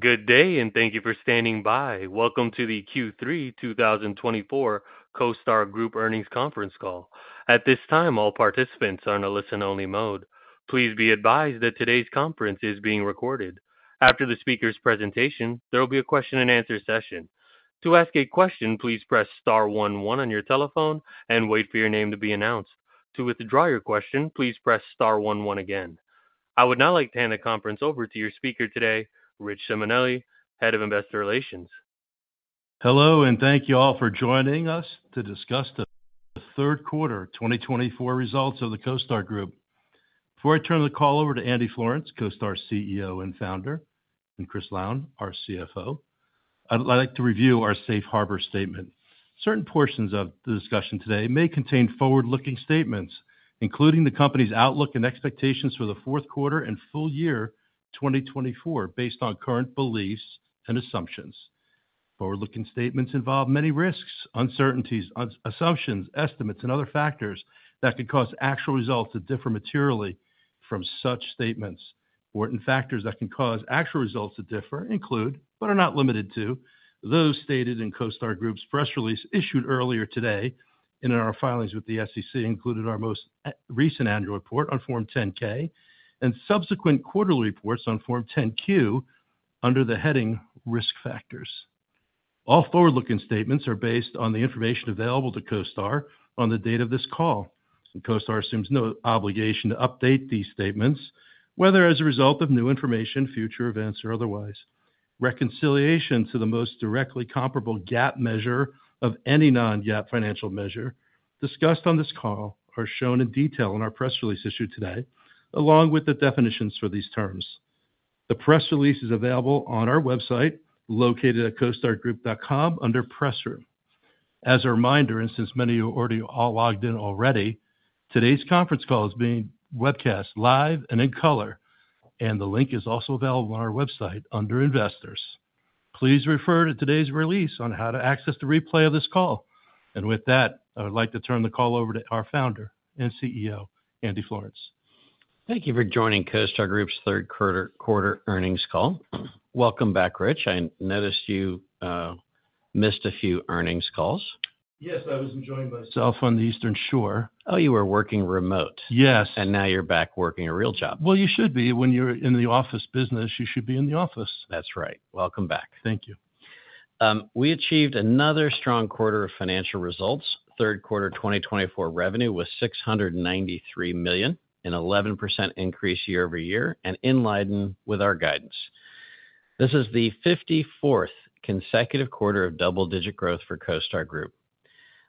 Good day, and thank you for standing by. Welcome to the Q3 2024 CoStar Group earnings conference call. At this time, all participants are in a listen-only mode. Please be advised that today's conference is being recorded. After the speaker's presentation, there will be a question-and-answer session. To ask a question, please press star one one on your telephone and wait for your name to be announced. To withdraw your question, please press star one one again. I would now like to hand the conference over to your speaker today, Rich Simonelli, Head of Investor Relations. Hello, and thank you all for joining us to discuss the third quarter 2024 results of the CoStar Group. Before I turn the call over to Andy Florance, CoStar CEO and founder, and Chris Lown, our CFO, I'd like to review our safe harbor statement. Certain portions of the discussion today may contain forward-looking statements, including the company's outlook and expectations for the fourth quarter and full year 2024, based on current beliefs and assumptions. Forward-looking statements involve many risks, uncertainties, assumptions, estimates, and other factors that could cause actual results to differ materially from such statements. Important factors that can cause actual results to differ include, but are not limited to, those stated in CoStar Group's press release issued earlier today and in our filings with the SEC, including our most recent annual report on Form 10-K and subsequent quarterly reports on Form 10-Q under the heading Risk Factors. All forward-looking statements are based on the information available to CoStar on the date of this call. CoStar assumes no obligation to update these statements, whether as a result of new information, future events, or otherwise. Reconciliation to the most directly comparable GAAP measure of any non-GAAP financial measure discussed on this call are shown in detail in our press release issued today, along with the definitions for these terms. The press release is available on our website, located at costargroup.com, under Press Room. As a reminder, and since many of you are already all logged in, today's conference call is being webcast live and in color, and the link is also available on our website under Investors. Please refer to today's release on how to access the replay of this call. With that, I would like to turn the call over to our Founder and CEO, Andy Florance. Thank you for joining CoStar Group's third quarter earnings call. Welcome back, Rich. I noticed you missed a few earnings calls. Yes, I was enjoying myself on the Eastern Shore. Oh, you were working remote? Yes. Now you're back working a real job. You should be. When you're in the office business, you should be in the office. That's right. Welcome back. Thank you. We achieved another strong quarter of financial results. Third quarter 2024 revenue was $693 million, an 11% increase year-over-year, and in line with our guidance. This is the fifty-fourth consecutive quarter of double-digit growth for CoStar Group.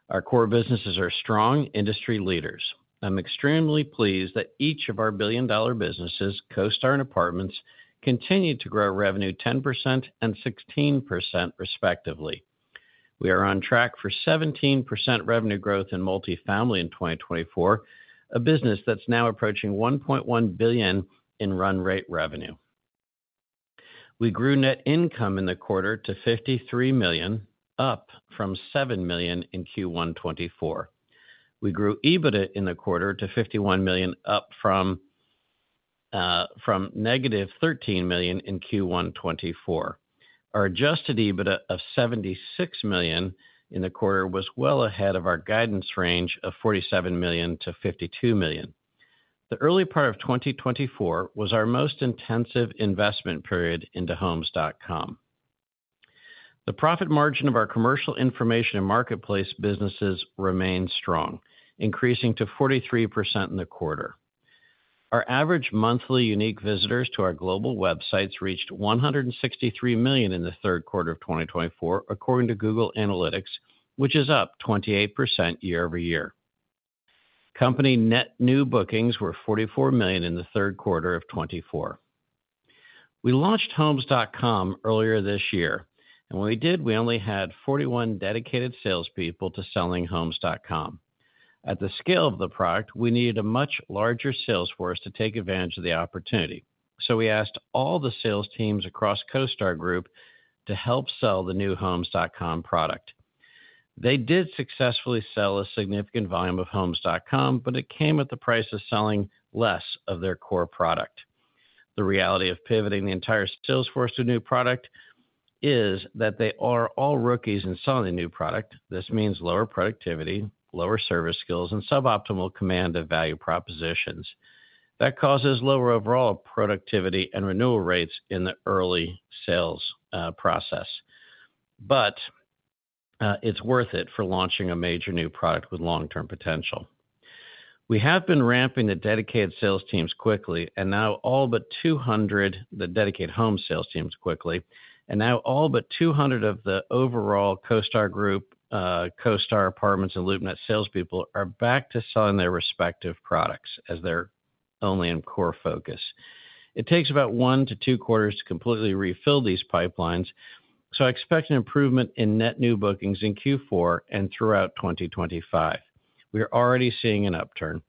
Our core businesses are strong industry leaders. I'm extremely pleased that each of our billion-dollar businesses, CoStar and Apartments, continued to grow revenue 10% and 16%, respectively. We are on track for 17% revenue growth in multifamily in 2024, a business that's now approaching $1.1 billion in run-rate revenue. We grew net income in the quarter to $53 million, up from $7 million in Q1 2024. We grew EBITDA in the quarter to $51 million, up from negative $13 million in Q1 2024. Our adjusted EBITDA of $76 million in the quarter was well ahead of our guidance range of $47 million-$52 million. The early part of 2024 was our most intensive investment period into Homes.com. The profit margin of our commercial information and marketplace businesses remained strong, increasing to 43% in the quarter. Our average monthly unique visitors to our global websites reached 163 million in the third quarter of 2024, according to Google Analytics, which is up 28% year-over-year. Company net new bookings were $44 million in the third quarter of 2024. We launched Homes.com earlier this year, and when we did, we only had 41 dedicated salespeople to selling Homes.com. At the scale of the product, we needed a much larger sales force to take advantage of the opportunity. So we asked all the sales teams across CoStar Group to help sell the new Homes.com product. They did successfully sell a significant volume of Homes.com, but it came at the price of selling less of their core product. The reality of pivoting the entire sales force to new product is that they are all rookies in selling the new product. This means lower productivity, lower service skills, and suboptimal command of value propositions. That causes lower overall productivity and renewal rates in the early sales process, but it's worth it for launching a major new product with long-term potential. We have been ramping the dedicated sales teams quickly, and now all but 200... The dedicated Homes sales teams quickly, and now all but 200 of the overall CoStar Group, CoStar, Apartments.com, and LoopNet salespeople are back to selling their respective products as their only and core focus. It takes about one to two quarters to completely refill these pipelines, so I expect an improvement in net new bookings in Q4 and throughout 2025. We are already seeing an upturn.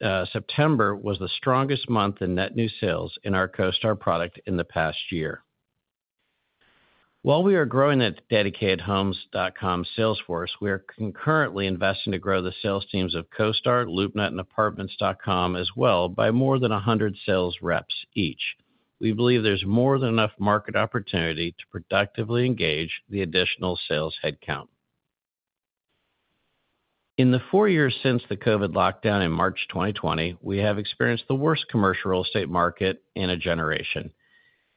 September was the strongest month in net new sales in our CoStar product in the past year. While we are growing the dedicated Homes.com sales force, we are concurrently investing to grow the sales teams of CoStar, LoopNet, and Apartments.com as well, by more than 100 sales reps each. We believe there's more than enough market opportunity to productively engage the additional sales headcount. In the four years since the COVID lockdown in March 2020, we have experienced the worst commercial real estate market in a generation.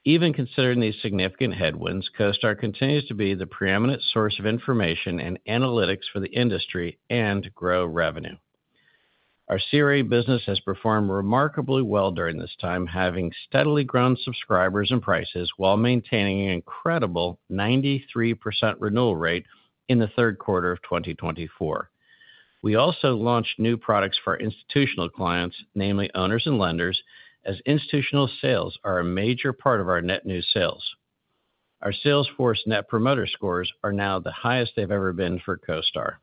Even considering these significant headwinds, CoStar continues to be the preeminent source of information and analytics for the industry, and grow revenue. Our CRE business has performed remarkably well during this time, having steadily grown subscribers and prices while maintaining an incredible 93% renewal rate in the third quarter of 2024. We also launched new products for our institutional clients, namely owners and lenders, as institutional sales are a major part of our net new sales. Our sales force net promoter scores are now the highest they've ever been for CoStar.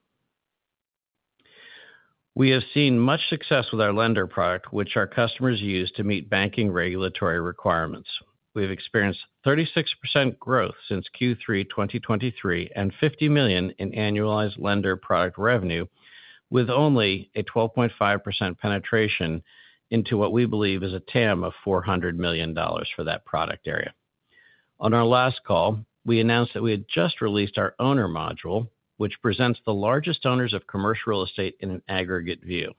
We have seen much success with our CoStar Lender, which our customers use to meet banking regulatory requirements. We've experienced 36% growth since Q3 2023, and $50 million in annualized Lender product revenue, with only a 12.5% penetration into what we believe is a TAM of $400 million for that product area. On our last call, we announced that we had just released our owner module, which presents the largest owners of commercial real estate in an aggregate view.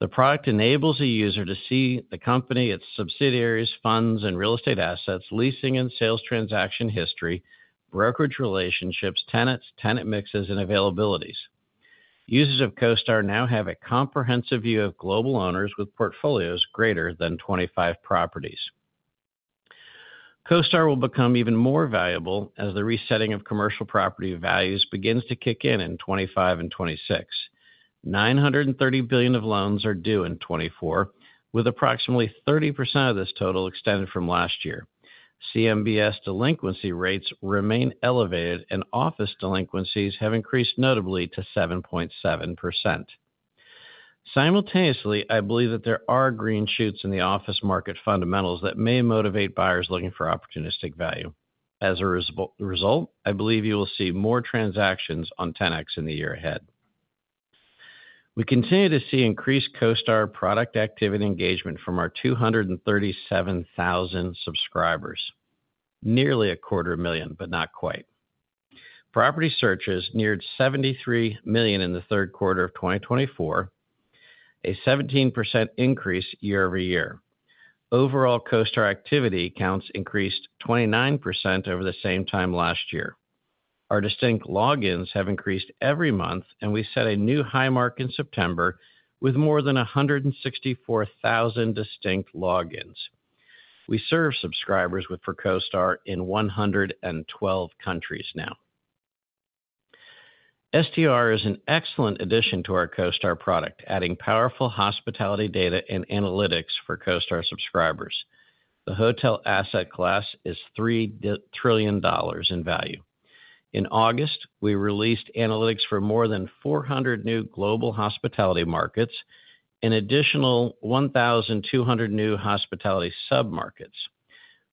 The product enables a user to see the company, its subsidiaries, funds, and real estate assets, leasing and sales transaction history, brokerage relationships, tenants, tenant mixes, and availabilities. Users of CoStar now have a comprehensive view of global owners with portfolios greater than 25 properties. CoStar will become even more valuable as the resetting of commercial property values begins to kick in, in 2025 and 2026. $930 billion of loans are due in 2024, with approximately 30% of this total extended from last year. CMBS delinquency rates remain elevated, and office delinquencies have increased notably to 7.7%. Simultaneously, I believe that there are green shoots in the office market fundamentals that may motivate buyers looking for opportunistic value. As a result, I believe you will see more transactions on Ten-X in the year ahead. We continue to see increased CoStar product activity engagement from our 237,000 subscribers, nearly a quarter million, but not quite. Property searches neared 73 million in the third quarter of 2024, a 17% increase year-over-year. Overall, CoStar activity counts increased 29% over the same time last year. Our distinct logins have increased every month, and we set a new high mark in September with more than 164,000 distinct logins. We serve subscribers for CoStar in 112 countries now. STR is an excellent addition to our CoStar product, adding powerful hospitality data and analytics for CoStar subscribers. The hotel asset class is $3 trillion in value. In August, we released analytics for more than 400 new global hospitality markets, an additional 1,200 new hospitality submarkets.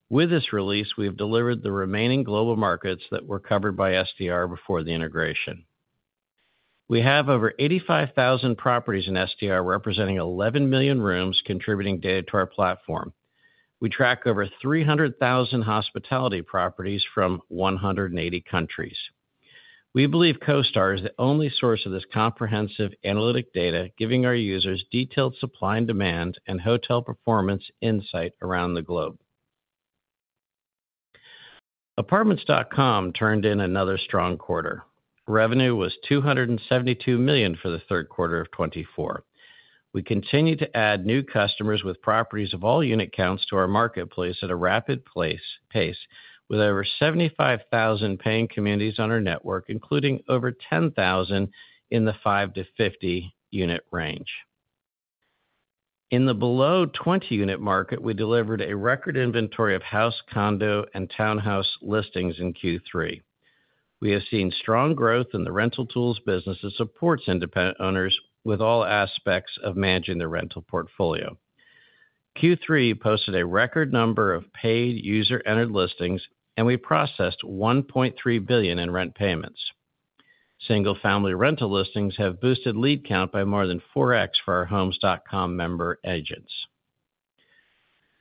With this release, we have delivered the remaining global markets that were covered by STR before the integration. We have over 85,000 properties in STR, representing 11 million rooms, contributing data to our platform. We track over 300,000 hospitality properties from 180 countries. We believe CoStar is the only source of this comprehensive analytic data, giving our users detailed supply and demand, and hotel performance insight around the globe. Apartments.com turned in another strong quarter. Revenue was $272 million for the third quarter of 2024. We continue to add new customers with properties of all unit counts to our marketplace at a rapid pace, with over 75,000 paying communities on our network, including over 10,000 in the 5 to 50 unit range. In the below 20 unit market, we delivered a record inventory of house, condo, and townhouse listings in Q3. We have seen strong growth in the rental tools business that supports independent owners with all aspects of managing their rental portfolio. Q3 posted a record number of paid user-entered listings, and we processed $1.3 billion in rent payments. Single-family rental listings have boosted lead count by more than 4x for our Homes.com member agents.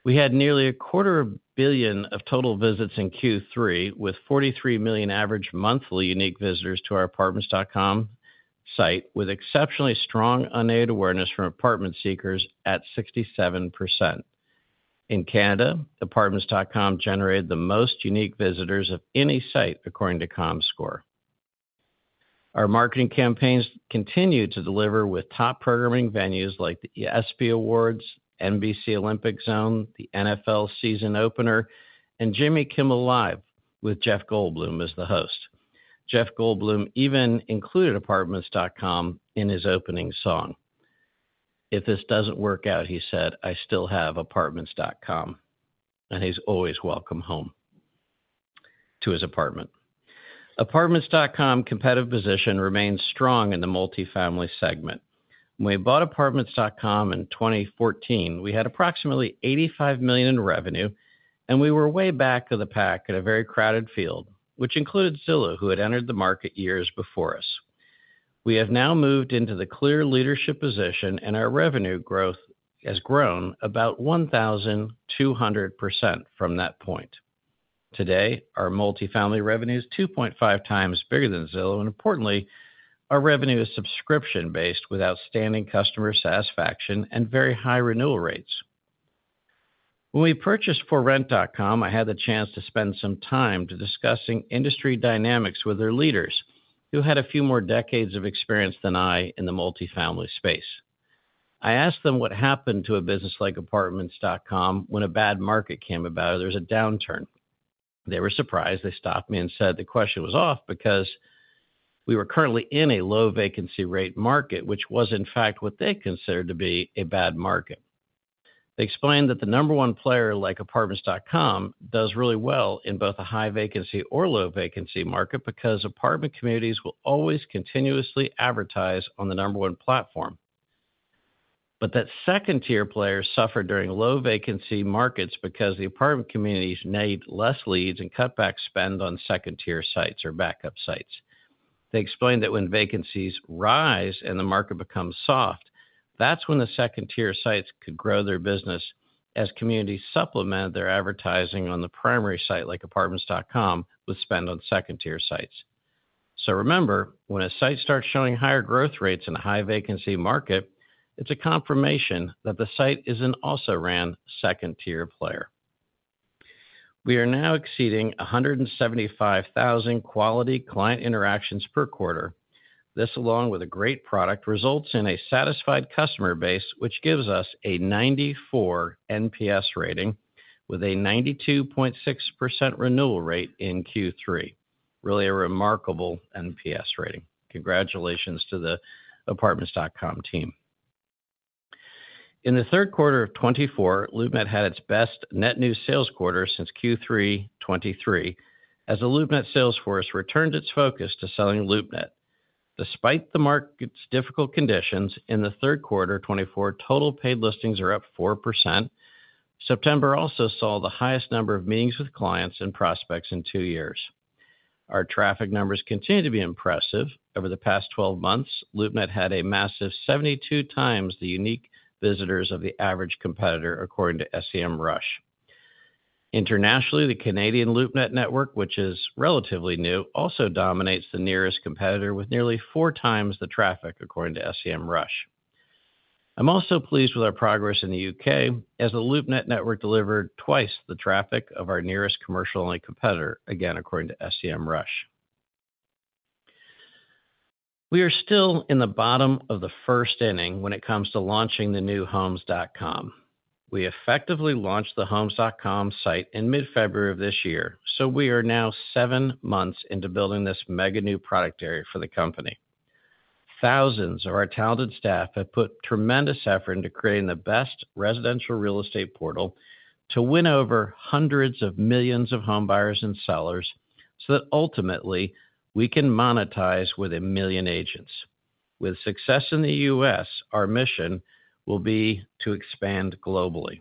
We had nearly 250 million total visits in Q3, with 43 million average monthly unique visitors to our Apartments.com site, with exceptionally strong unaided awareness from apartment seekers at 67%. In Canada, Apartments.com generated the most unique visitors of any site, according to Comscore. Our marketing campaigns continue to deliver with top programming venues like the ESPY Awards, NBC Olympic Zone, the NFL season opener, and Jimmy Kimmel Live, with Jeff Goldblum as the host. Jeff Goldblum even included Apartments.com in his opening song. "If this doesn't work out," he said, "I still have Apartments.com," and he's always welcome home to his apartment. Apartments.com's competitive position remains strong in the multifamily segment. When we bought Apartments.com in 2014, we had approximately $85 million in revenue, and we were way back of the pack in a very crowded field, which includes Zillow, who had entered the market years before us. We have now moved into the clear leadership position, and our revenue growth has grown about 1,200% from that point. Today, our multifamily revenue is 2.5 times bigger than Zillow, and importantly, our revenue is subscription-based, with outstanding customer satisfaction and very high renewal rates. When we purchased ForRent.com, I had the chance to spend some time discussing industry dynamics with their leaders, who had a few more decades of experience than I in the multifamily space. I asked them what happened to a business like Apartments.com when a bad market came about or there's a downturn. They were surprised. They stopped me and said the question was off because we were currently in a low vacancy rate market, which was, in fact, what they considered to be a bad market. They explained that the number one player, like Apartments.com, does really well in both a high vacancy or low vacancy market because apartment communities will always continuously advertise on the number one platform, but that second-tier players suffer during low vacancy markets because the apartment communities need less leads and cut back spend on second-tier sites or backup sites. They explained that when vacancies rise and the market becomes soft, that's when the second-tier sites could grow their business as communities supplement their advertising on the primary site, like Apartments.com, with spend on second-tier sites. So remember, when a site starts showing higher growth rates in a high vacancy market, it's a confirmation that the site is an also ran second-tier player. We are now exceeding 175,000 quality client interactions per quarter. This, along with a great product, results in a satisfied customer base, which gives us a 94 NPS rating with a 92.6% renewal rate in Q3. Really a remarkable NPS rating. Congratulations to the Apartments.com team. In the third quarter of 2024, LoopNet had its best net new sales quarter since Q3 2023, as the LoopNet sales force returned its focus to selling LoopNet. Despite the market's difficult conditions, in the third quarter 2024, total paid listings are up 4%. September also saw the highest number of meetings with clients and prospects in two years. Our traffic numbers continue to be impressive. Over the past twelve months, LoopNet had a massive 72 times the unique visitors of the average competitor, according to SEMrush. Internationally, the Canadian LoopNet network, which is relatively new, also dominates the nearest competitor, with nearly 4 times the traffic, according to SEMrush. I'm also pleased with our progress in the U.K. as the LoopNet network delivered twice the traffic of our nearest commercial-only competitor, again, according to SEMrush. We are still in the bottom of the first innings when it comes to launching the new Homes.com. We effectively launched the Homes.com site in mid-February of this year, so we are now seven months into building this mega new product area for the company. Thousands of our talented staff have put tremendous effort into creating the best residential real estate portal to win over hundreds of millions of homebuyers and sellers so that ultimately we can monetize with a million agents. With success in the U.S., our mission will be to expand globally.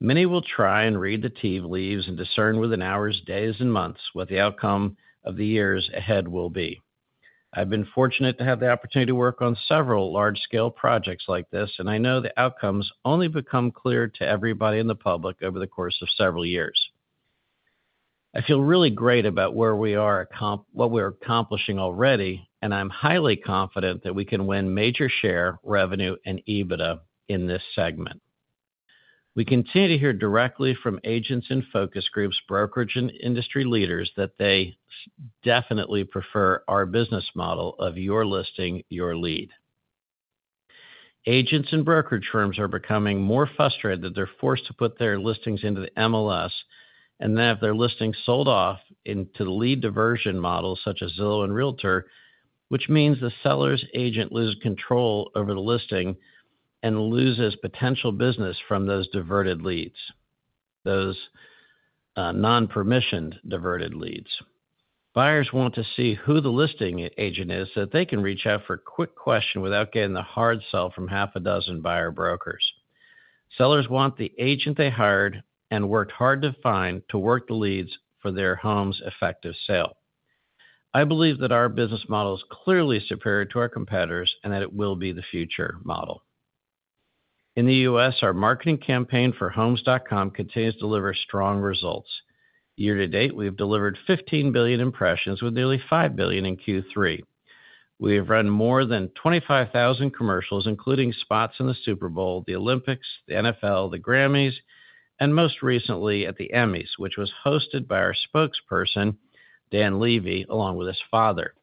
Many will try and read the tea leaves and discern within hours, days, and months what the outcome of the years ahead will be. I've been fortunate to have the opportunity to work on several large-scale projects like this, and I know the outcomes only become clear to everybody in the public over the course of several years. I feel really great about where we are what we're accomplishing already, and I'm highly confident that we can win major share, revenue, and EBITDA in this segment. We continue to hear directly from agents and focus groups, brokerage and industry leaders, that they definitely prefer our business model of your listing, your lead. Agents and brokerage firms are becoming more frustrated that they're forced to put their listings into the MLS and then have their listings sold off into the lead diversion models such as Zillow and Realtor, which means the seller's agent loses control over the listing and loses potential business from those diverted leads, those, non-permissioned diverted leads. Buyers want to see who the listing agent is, so that they can reach out for a quick question without getting the hard sell from half a dozen buyer brokers. Sellers want the agent they hired and worked hard to find, to work the leads for their home's effective sale. I believe that our business model is clearly superior to our competitors and that it will be the future model. In the U.S., our marketing campaign for Homes.com continues to deliver strong results. Year-to-date, we have delivered 15 billion impressions, with nearly five billion in Q3. We have run more than 25,000 commercials, including spots in the Super Bowl, the Olympics, the NFL, the Grammys, and most recently at the Emmys, which was hosted by our spokesperson, Dan Levy, along with his father.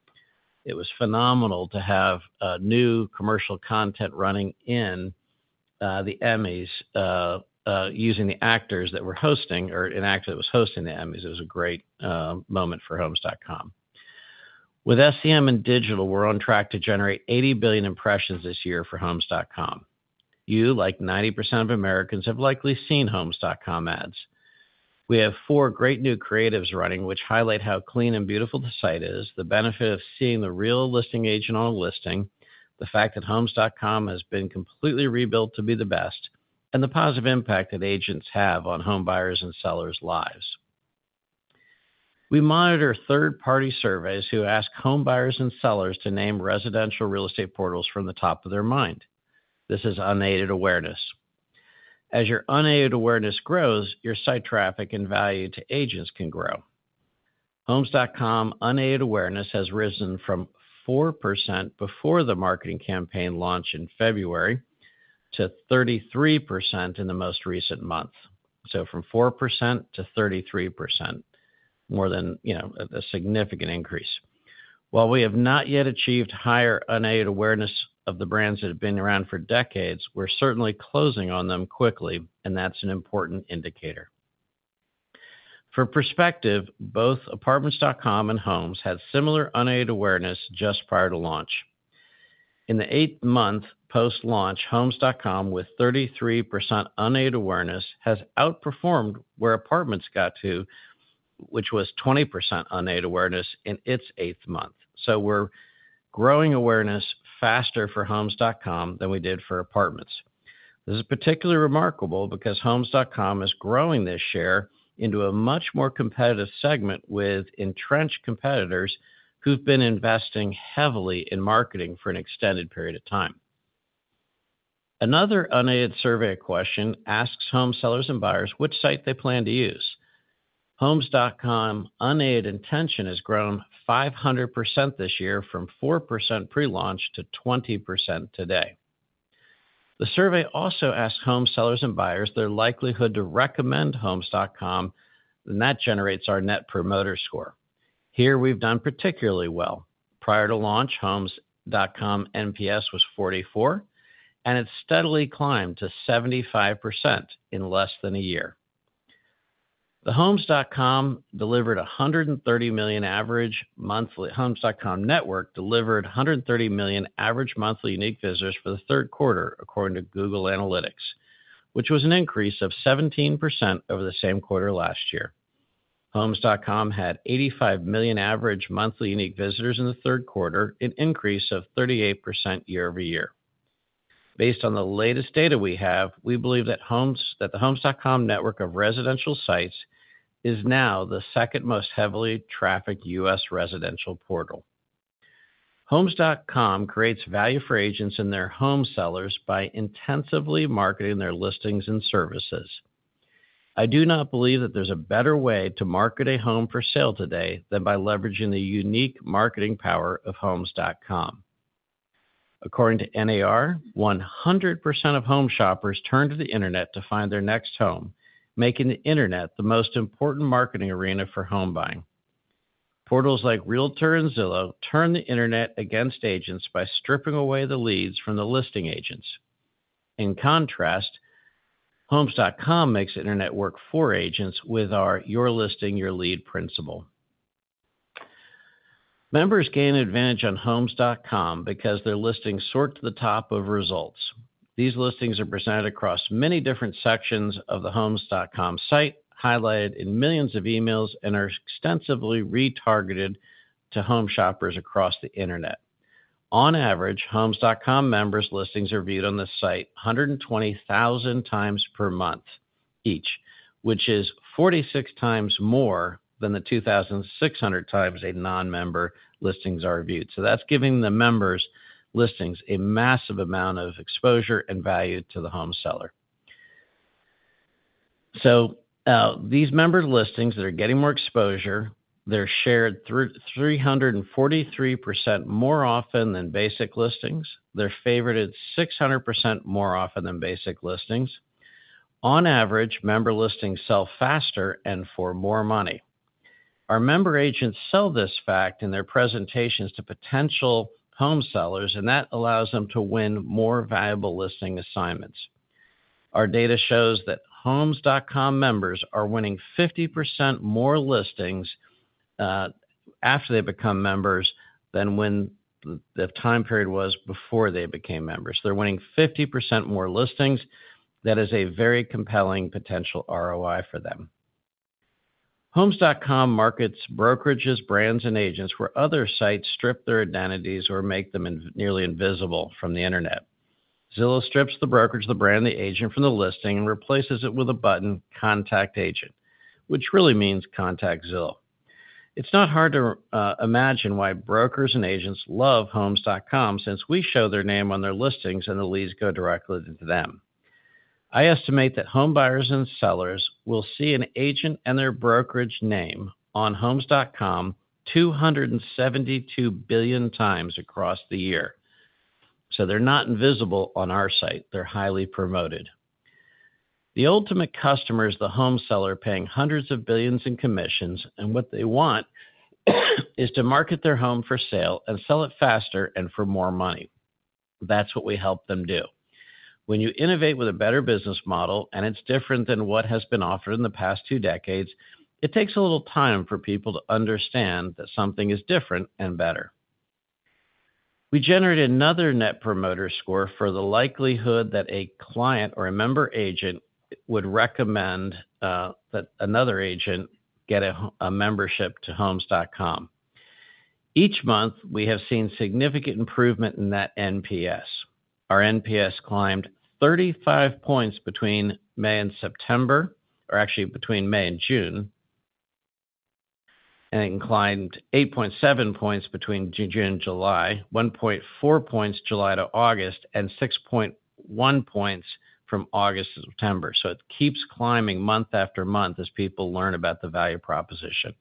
It was phenomenal to have new commercial content running in the Emmys using the actors that were hosting or an actor that was hosting the Emmys. It was a great moment for Homes.com. With SEM and digital, we're on track to generate eighty billion impressions this year for Homes.com. You, like 90% of Americans, have likely seen Homes.com ads. We have four great new creatives running, which highlight how clean and beautiful the site is, the benefit of seeing the real listing agent on a listing, the fact that Homes.com has been completely rebuilt to be the best, and the positive impact that agents have on home buyers' and sellers' lives. We monitor third-party surveys who ask home buyers and sellers to name residential real estate portals from the top of their mind. This is unaided awareness. As your unaided awareness grows, your site traffic and value to agents can grow. Homes.com unaided awareness has risen from 4% before the marketing campaign launch in February, to 33% in the most recent month. So from 4% to 33%, more than, you know, a significant increase. While we have not yet achieved higher unaided awareness of the brands that have been around for decades, we're certainly closing on them quickly, and that's an important indicator. For perspective, both Apartments.com and Homes had similar unaided awareness just prior to launch. In the eighth month post-launch, Homes.com, with 33% unaided awareness, has outperformed where Apartments got to, which was 20% unaided awareness in its eighth month. So we're growing awareness faster for Homes.com than we did for Apartments. This is particularly remarkable because Homes.com is growing this share into a much more competitive segment, with entrenched competitors who've been investing heavily in marketing for an extended period of time. Another unaided survey question asks home sellers and buyers which site they plan to use. Homes.com unaided intention has grown 500% this year, from 4% pre-launch to 20% today. The survey also asks home sellers and buyers their likelihood to recommend Homes.com, and that generates our net promoter score. Here, we've done particularly well. Prior to launch, Homes.com NPS was 44, and it's steadily climbed to 75% in less than a year. The Homes.com network delivered 130 million average monthly unique visitors for the third quarter, according to Google Analytics, which was an increase of 17% over the same quarter last year. Homes.com had 85 million average monthly unique visitors in the third quarter, an increase of 38% year-over-year. Based on the latest data we have, we believe that the Homes.com network of residential sites is now the second most heavily trafficked U.S. residential portal. Homes.com creates value for agents and their home sellers by intensively marketing their listings and services. I do not believe that there's a better way to market a home for sale today than by leveraging the unique marketing power of Homes.com. According to NAR, 100% of home shoppers turn to the internet to find their next home, making the internet the most important marketing arena for home buying. Portals like Realtor and Zillow turn the internet against agents by stripping away the leads from the listing agents. In contrast, Homes.com makes the internet work for agents with our Your Listing, Your Lead principle. Members gain advantage on Homes.com because their listings sort to the top of results. These listings are presented across many different sections of the Homes.com site, highlighted in millions of emails, and are extensively retargeted to home shoppers across the internet. On average, Homes.com members' listings are viewed on the site 120,000 times per month each, which is 46 times more than the 2,600 times a non-member listings are viewed. So that's giving the members' listings a massive amount of exposure and value to the home seller. So, these member listings, they're getting more exposure. They're shared 343% more often than basic listings. They're favorited 600% more often than basic listings. On average, member listings sell faster and for more money. Our member agents sell this fact in their presentations to potential home sellers, and that allows them to win more valuable listing assignments. Our data shows that Homes.com members are winning 50% more listings, after they become members than when the time period was before they became members. They're winning 50% more listings. That is a very compelling potential ROI for them. Homes.com markets brokerages, brands, and agents, where other sites strip their identities or make them nearly invisible from the internet. Zillow strips the brokerage, the brand, the agent from the listing and replaces it with a button, Contact Agent, which really means contact Zillow. It's not hard to imagine why brokers and agents love Homes.com, since we show their name on their listings and the leads go directly to them. I estimate that home buyers and sellers will see an agent and their brokerage name on Homes.com 272 billion times across the year. So they're not invisible on our site. They're highly promoted. The ultimate customer is the home seller, paying hundreds of billions in commissions, and what they want is to market their home for sale and sell it faster and for more money. That's what we help them do. When you innovate with a better business model, and it's different than what has been offered in the past two decades, it takes a little time for people to understand that something is different and better. We generated another net promoter score for the likelihood that a client or a member agent would recommend that another agent get a membership to Homes.com. Each month, we have seen significant improvement in that NPS. Our NPS climbed 35 points between May and September, or actually between May and June, and it climbed 8.7 points between June and July, 1.4 points, July to August, and 6.1 points from August to September. So it keeps climbing month-after-month as people learn about the value proposition.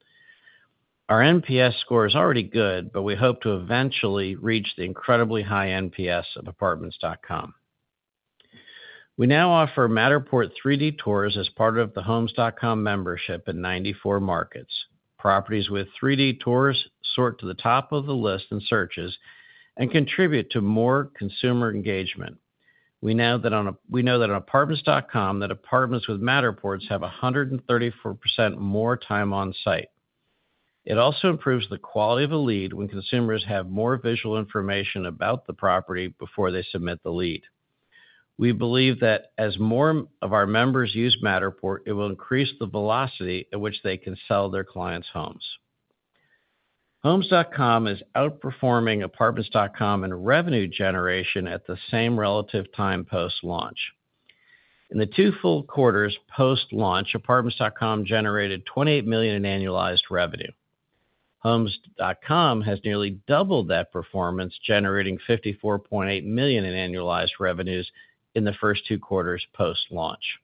Our NPS score is already good, but we hope to eventually reach the incredibly high NPS of Apartments.com. We now offer Matterport 3D tours as part of the Homes.com membership in 94 markets. Properties with 3D tours sort to the top of the list in searches and contribute to more consumer engagement. We know that on Apartments.com, that apartments with Matterports have 134% more time on site. It also improves the quality of a lead when consumers have more visual information about the property before they submit the lead. We believe that as more of our members use Matterport, it will increase the velocity at which they can sell their clients' homes. Homes.com is outperforming Apartments.com in revenue generation at the same relative time post-launch. In the two full quarters post-launch, Apartments.com generated $28 million in annualized revenue. Homes.com has nearly doubled that performance, generating $54.8 million in annualized revenues in the first two quarters post-launch.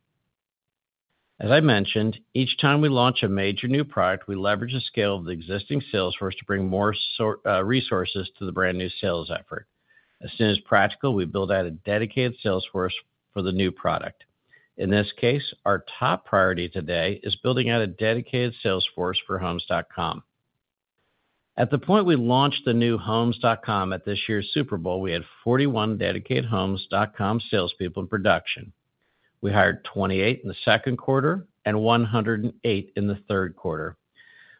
As I mentioned, each time we launch a major new product, we leverage the scale of the existing sales force to bring more resources to the brand-new sales effort. As soon as practical, we build out a dedicated sales force for the new product. In this case, our top priority today is building out a dedicated sales force for Homes.com. At the point we launched the new Homes.com at this year's Super Bowl, we had 41 dedicated Homes.com salespeople in production. We hired 28 in the second quarter and 108 in the third quarter.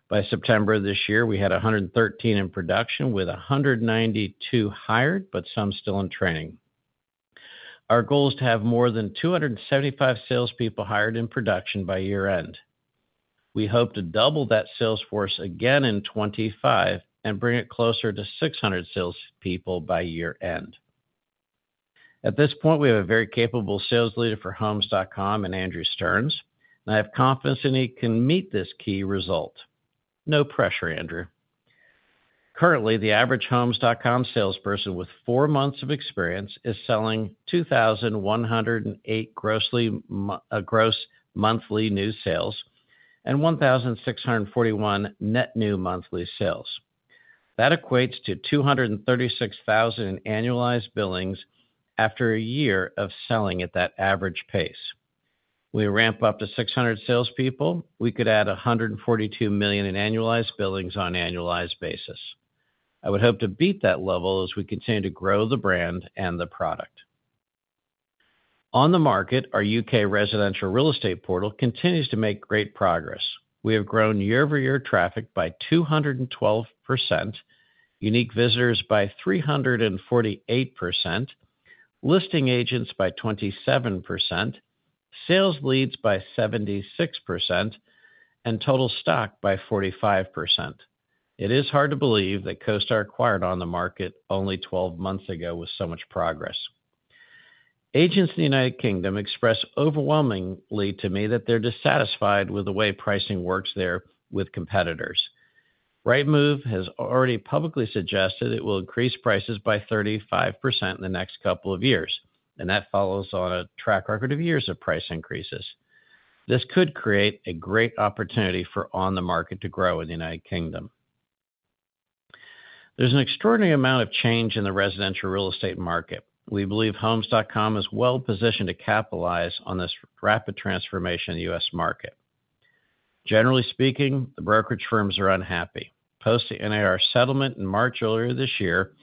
By September of this year, we had 113 in production, with 192 hired, but some still in training. Our goal is to have more than 275 salespeople hired in production by year-end. We hope to double that sales force again in 2025 and bring it closer to 600 salespeople by year-end. At this point, we have a very capable sales leader for Homes.com in Andrew Stearns, and I have confidence that he can meet this key result. No pressure, Andrew. Currently, the average Homes.com salesperson with four months of experience is selling 2,108 gross monthly new sales and 1,641 net new monthly sales. That equates to $236,000 in annualized billings after a year of selling at that average pace. We ramp up to 600 salespeople, we could add $142 million in annualized billings on an annualized basis. I would hope to beat that level as we continue to grow the brand and the product. OnTheMarket, our U.K. residential real estate portal continues to make great progress. We have grown year-over-year traffic by 212%, unique visitors by 348%, listing agents by 27%, sales leads by 76%, and total stock by 45%. It is hard to believe that CoStar acquired OnTheMarket only twelve months ago with so much progress. Agents in the United Kingdom express overwhelmingly to me that they're dissatisfied with the way pricing works there with competitors. Rightmove has already publicly suggested it will increase prices by 35% in the next couple of years, and that follows on a track record of years of price increases. This could create a great opportunity for OnTheMarket to grow in the United Kingdom. There's an extraordinary amount of change in the residential real estate market. We believe Homes.com is well-positioned to capitalize on this rapid transformation in the U.S. market. Generally speaking, the brokerage firms are unhappy. Post the NAR settlement in March earlier this year,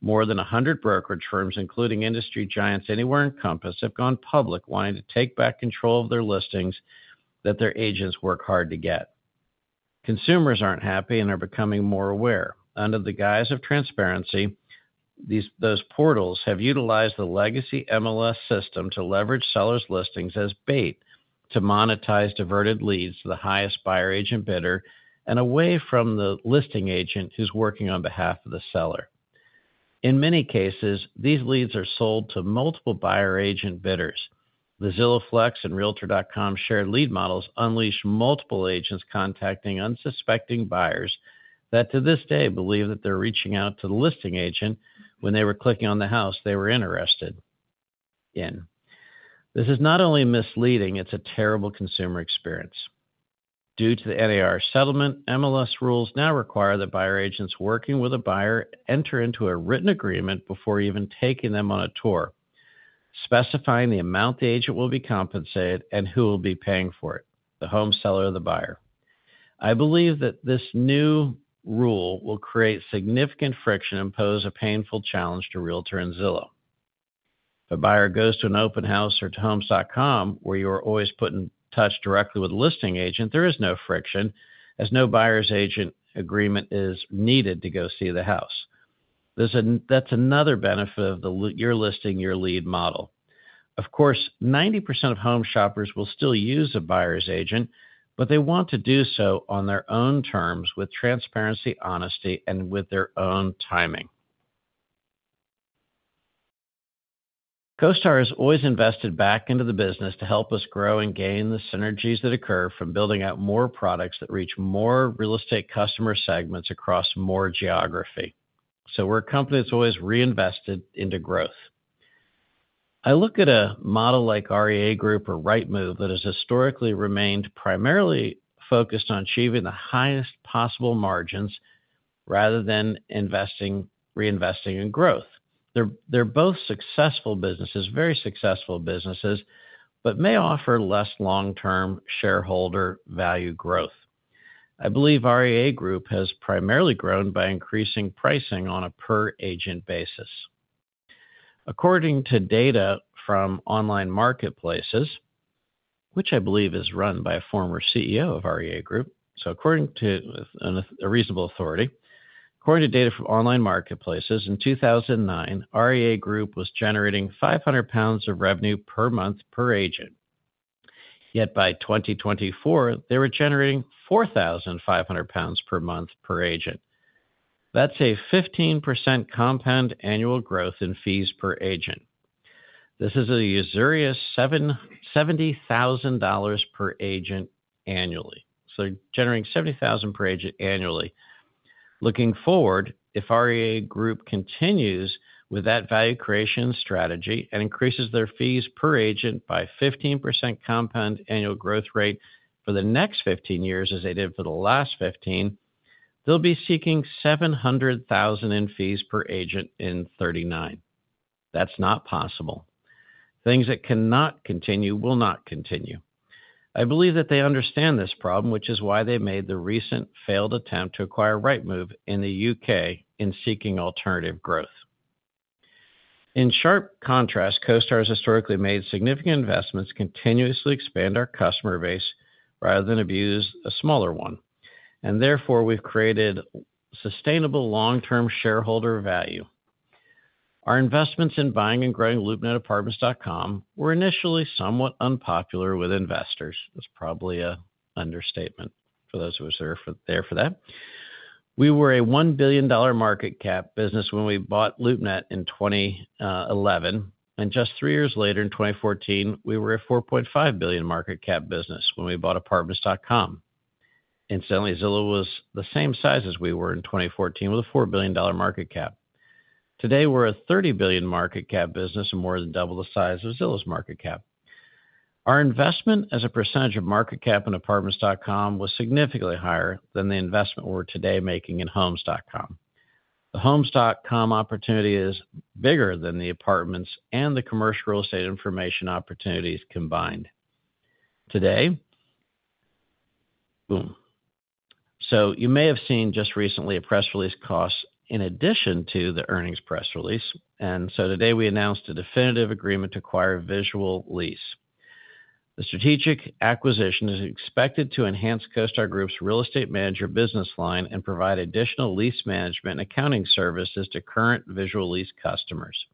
more than a hundred brokerage firms, including industry giants Anywhere and Compass, have gone public, wanting to take back control of their listings that their agents work hard to get. Consumers aren't happy and are becoming more aware. Under the guise of transparency, those portals have utilized the legacy MLS system to leverage sellers' listings as bait to monetize diverted leads to the highest buyer agent bidder and away from the listing agent who's working on behalf of the seller. In many cases, these leads are sold to multiple buyer agent bidders. The Zillow Flex and Realtor.com shared lead models unleash multiple agents contacting unsuspecting buyers that, to this day, believe that they're reaching out to the listing agent when they were clicking on the house they were interested in. This is not only misleading, it's a terrible consumer experience. Due to the NAR settlement, MLS rules now require that buyer agents working with a buyer enter into a written agreement before even taking them on a tour, specifying the amount the agent will be compensated and who will be paying for it, the home seller or the buyer. I believe that this new rule will create significant friction and pose a painful challenge to Realtor and Zillow. If a buyer goes to an open house or to Homes.com, where you are always put in touch directly with the listing agent, there is no friction, as no buyer's agent agreement is needed to go see the house. That's another benefit of Your Listing, Your Lead model. Of course, 90% of home shoppers will still use a buyer's agent, but they want to do so on their own terms with transparency, honesty, and with their own timing. CoStar has always invested back into the business to help us grow and gain the synergies that occur from building out more products that reach more real estate customer segments across more geography. So we're a company that's always reinvested into growth. I look at a model like REA Group or Rightmove, that has historically remained primarily focused on achieving the highest possible margins rather than investing, reinvesting in growth. They're, they're both successful businesses, very successful businesses, but may offer less long-term shareholder value growth. I believe REA Group has primarily grown by increasing pricing on a per-agent basis. According to data from Online Marketplaces, which I believe is run by a former CEO of REA Group, so according to a reasonable authority. In 2009, REA Group was generating 500 pounds of revenue per month per agent. Yet by 2024, they were generating 4,500 pounds per month per agent. That's a 15% compound annual growth in fees per agent. This is a usurious $70,000 per agent annually. So they're generating $70,000 per agent annually. Looking forward, if REA Group continues with that value creation strategy and increases their fees per agent by 15% compound annual growth rate for the next 15 years, as they did for the last 15, they'll be seeking $700,000 in fees per agent in 2039. That's not possible. Things that cannot continue, will not continue. I believe that they understand this problem, which is why they made the recent failed attempt to acquire Rightmove in the UK in seeking alternative growth. In sharp contrast, CoStar has historically made significant investments to continuously expand our customer base rather than abuse a smaller one, and therefore, we've created sustainable long-term shareholder value. Our investments in buying and growing LoopNet, Apartments.com were initially somewhat unpopular with investors. That's probably an understatement for those who was there for, there for that. We were a $1 billion market cap business when we bought LoopNet in 2011, and just three years later, in 2014, we were a $4.5 billion market cap business when we bought Apartments.com. Incidentally, Zillow was the same size as we were in 2014, with a $4 billion market cap. Today, we're a $30 billion market cap business and more than double the size of Zillow's market cap. Our investment as a percentage of market cap in Apartments.com was significantly higher than the investment we're today making in Homes.com. The Homes.com opportunity is bigger than the Apartments.com and the commercial real estate information opportunities combined. Today, boom! You may have seen just recently a CoStar press release in addition to the earnings press release. Today, we announced a definitive agreement to acquire Visual Lease. The strategic acquisition is expected to enhance CoStar Group's Real Estate Manager business line and provide additional lease management and accounting services to current Visual Lease customers.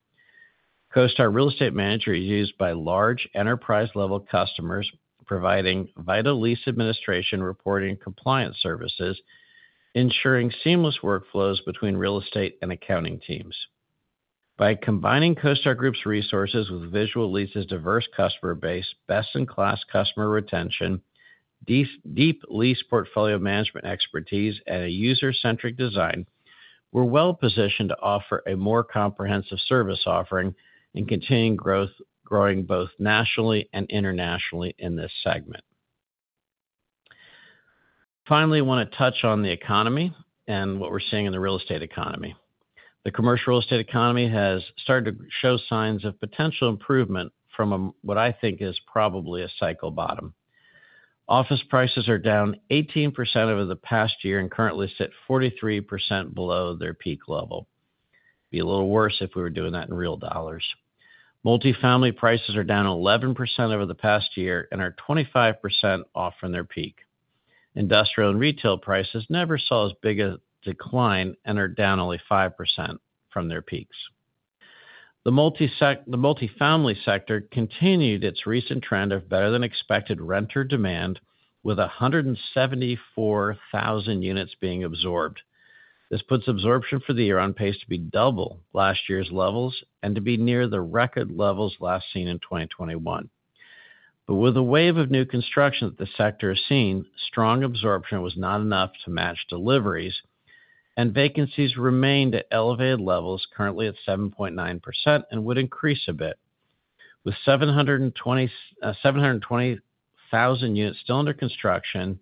CoStar Real Estate Manager is used by large enterprise-level customers, providing vital lease administration, reporting, and compliance services, ensuring seamless workflows between real estate and accounting teams. By combining CoStar Group's resources with Visual Lease's diverse customer base, best-in-class customer retention, deep, deep lease portfolio management expertise, and a user-centric design, we're well-positioned to offer a more comprehensive service offering and continuing growth, growing both nationally and internationally in this segment. Finally, I want to touch on the economy and what we're seeing in the real estate economy. The commercial real estate economy has started to show signs of potential improvement from a, what I think is probably a cycle bottom. Office prices are down 18% over the past year and currently sit 43% below their peak level. Be a little worse if we were doing that in real dollars. Multifamily prices are down 11% over the past year and are 25% off from their peak. Industrial and retail prices never saw as big a decline and are down only 5% from their peaks. The multifamily sector continued its recent trend of better-than-expected renter demand, with 174,000 units being absorbed. This puts absorption for the year on pace to be double last year's levels and to be near the record levels last seen in 2021. But with the wave of new construction that the sector has seen, strong absorption was not enough to match deliveries, and vacancies remained at elevated levels, currently at 7.9%, and would increase a bit. With 720,000 units still under construction,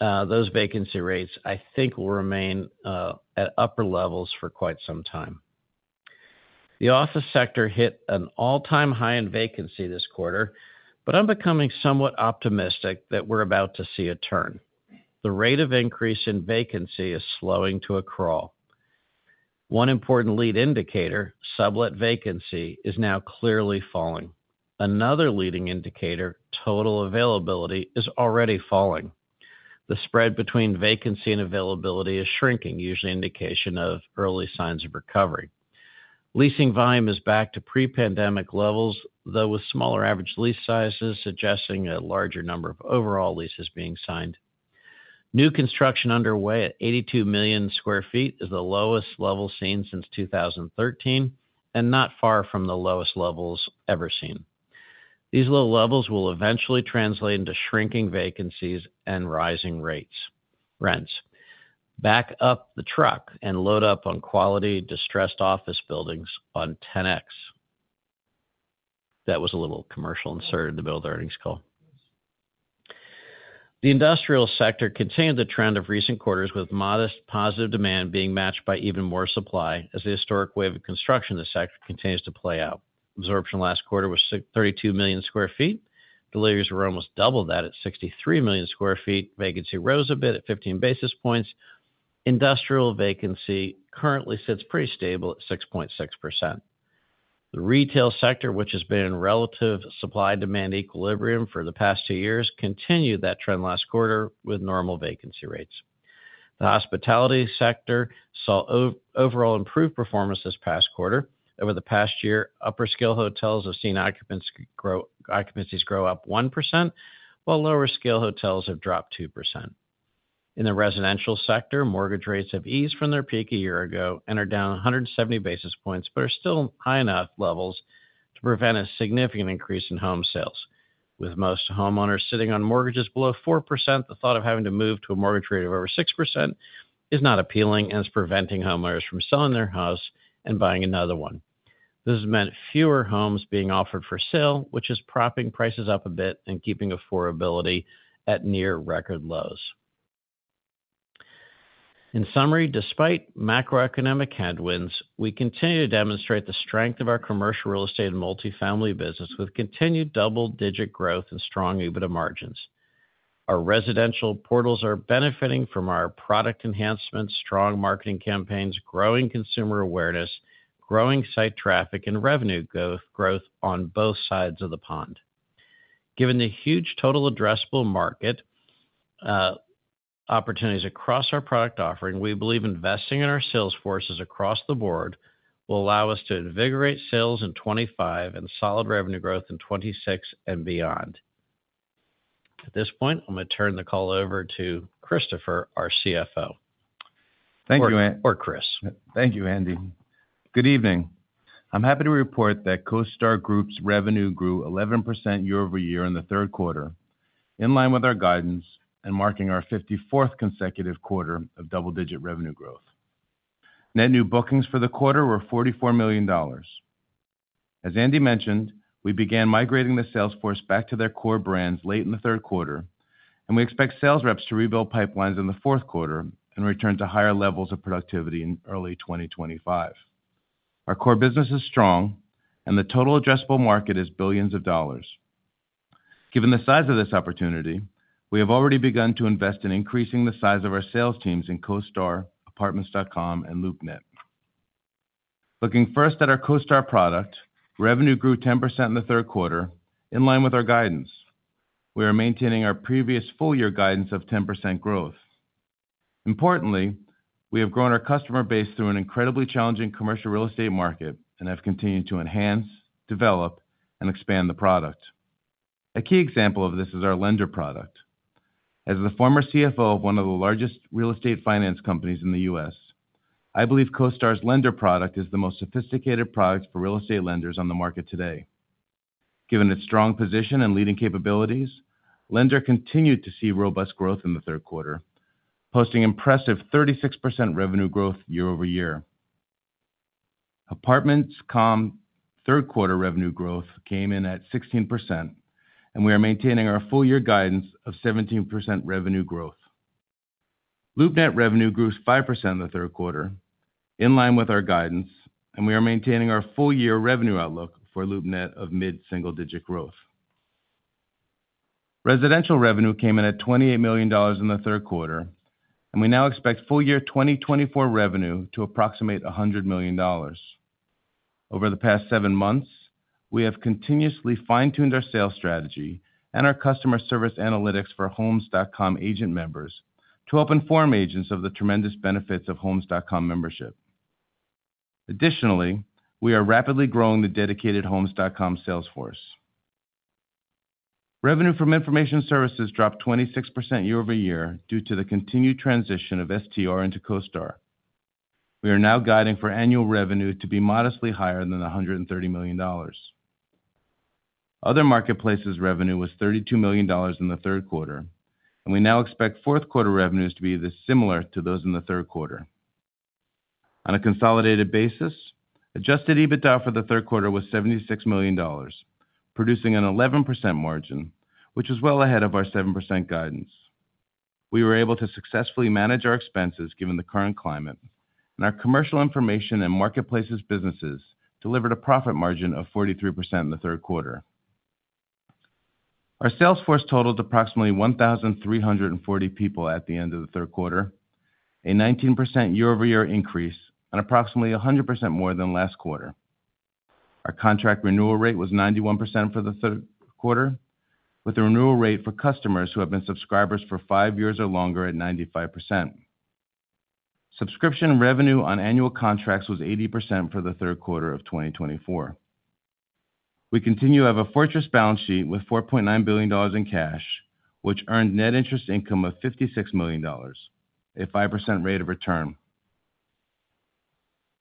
those vacancy rates, I think, will remain at upper levels for quite some time. The office sector hit an all-time high in vacancy this quarter, but I'm becoming somewhat optimistic that we're about to see a turn. The rate of increase in vacancy is slowing to a crawl. One important lead indicator, sublet vacancy, is now clearly falling. Another leading indicator, total availability, is already falling. The spread between vacancy and availability is shrinking, usually an indication of early signs of recovery. Leasing volume is back to pre-pandemic levels, though with smaller average lease sizes, suggesting a larger number of overall leases being signed. New construction underway at 82 million sq ft is the lowest level seen since 2013, and not far from the lowest levels ever seen. These low levels will eventually translate into shrinking vacancies and rising rates. Rents, back up the truck and load up on quality, distressed office buildings on Ten-X. That was a little commercial insert in the middle of the earnings call. The industrial sector continued the trend of recent quarters, with modest positive demand being matched by even more supply, as the historic wave of construction in the sector continues to play out. Absorption last quarter was 632 million sq ft. Deliveries were almost double that, at 63 million sq ft. Vacancy rose a bit, at 15 basis points. Industrial vacancy currently sits pretty stable at 6.6%. The retail sector, which has been in relative supply-demand equilibrium for the past two years, continued that trend last quarter with normal vacancy rates. The hospitality sector saw overall improved performance this past quarter. Over the past year, upper-scale hotels have seen occupancies grow up 1%, while lower-scale hotels have dropped 2%. In the residential sector, mortgage rates have eased from their peak a year ago and are down 170 basis points, but are still high enough levels to prevent a significant increase in home sales. With most homeowners sitting on mortgages below 4%, the thought of having to move to a mortgage rate of over 6% is not appealing and is preventing homeowners from selling their house and buying another one. This has meant fewer homes being offered for sale, which is propping prices up a bit and keeping affordability at near-record lows. In summary, despite macroeconomic headwinds, we continue to demonstrate the strength of our commercial real estate and multifamily business, with continued double-digit growth and strong EBITDA margins. Our residential portals are benefiting from our product enhancements, strong marketing campaigns, growing consumer awareness, growing site traffic, and revenue growth on both sides of the pond. Given the huge total addressable market, opportunities across our product offering, we believe investing in our sales forces across the board will allow us to invigorate sales in 2025 and solid revenue growth in 2026 and beyond. At this point, I'm going to turn the call over to Chris, our CFO. Thank you, Andy. Or Chris. Thank you, Andy. Good evening. I'm happy to report that CoStar Group's revenue grew 11% year-over-year in the third quarter, in line with our guidance and marking our 54th consecutive quarter of double-digit revenue growth. Net new bookings for the quarter were $44 million. As Andy mentioned, we began migrating the sales force back to their core brands late in the third quarter, and we expect sales reps to rebuild pipelines in the fourth quarter and return to higher levels of productivity in early 2025. Our core business is strong, and the total addressable market is billions of dollars. Given the size of this opportunity, we have already begun to invest in increasing the size of our sales teams in CoStar, Apartments.com, and LoopNet. Looking first at our CoStar product, revenue grew 10% in the third quarter, in line with our guidance. We are maintaining our previous full-year guidance of 10% growth. Importantly, we have grown our customer base through an incredibly challenging commercial real estate market and have continued to enhance, develop, and expand the product. A key example of this is our Lender product. As the former CFO of one of the largest real estate finance companies in the U.S., I believe CoStar's Lender product is the most sophisticated product for real estate lenders on the market today. Given its strong position and leading capabilities, Lender continued to see robust growth in the third quarter, posting impressive 36% revenue growth year over year. Apartments.com third quarter revenue growth came in at 16%, and we are maintaining our full year guidance of 17% revenue growth. LoopNet revenue grew 5% in the third quarter, in line with our guidance, and we are maintaining our full-year revenue outlook for LoopNet of mid-single-digit growth. Residential revenue came in at $28 million in the third quarter, and we now expect full-year 2024 revenue to approximate $100 million. Over the past seven months, we have continuously fine-tuned our sales strategy and our customer service analytics for Homes.com agent members to help inform agents of the tremendous benefits of Homes.com membership. Additionally, we are rapidly growing the dedicated Homes.com sales force. Revenue from Information Services dropped 26% year-over-year due to the continued transition of STR into CoStar. We are now guiding for annual revenue to be modestly higher than $130 million. Other marketplaces revenue was $32 million in the third quarter, and we now expect fourth quarter revenues to be similar to those in the third quarter. On a consolidated basis, adjusted EBITDA for the third quarter was $76 million, producing an 11% margin, which is well ahead of our 7% guidance. We were able to successfully manage our expenses given the current climate, and our commercial information and marketplaces businesses delivered a profit margin of 43% in the third quarter. Our sales force totaled approximately 1,340 people at the end of the third quarter, a 19% year-over-year increase and approximately 100% more than last quarter. Our contract renewal rate was 91% for the third quarter, with the renewal rate for customers who have been subscribers for five years or longer at 95%. Subscription revenue on annual contracts was 80% for the third quarter of 2024. We continue to have a fortress balance sheet with $4.9 billion in cash, which earned net interest income of $56 million, a 5% rate of return.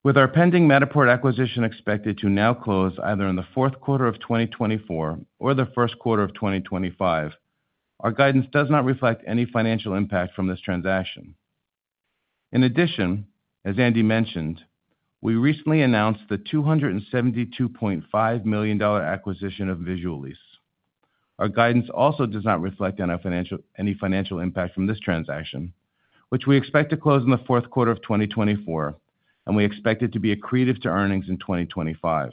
With our pending Matterport acquisition expected to now close either in the fourth quarter of 2024 or the first quarter of 2025, our guidance does not reflect any financial impact from this transaction. In addition, as Andy mentioned, we recently announced the $272.5 million acquisition of Visual Lease. Our guidance also does not reflect any financial impact from this transaction, which we expect to close in the fourth quarter of 2024, and we expect it to be accretive to earnings in 2025.